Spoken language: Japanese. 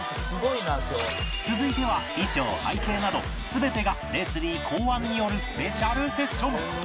続いては衣装背景など全てがレスリー考案によるスペシャルセッション！